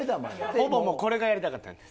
ほぼこれがやりたかったんです。